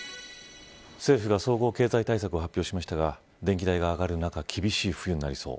政府が総合経済対策を発表しましたが電気代が上がる中厳しい冬になりそう。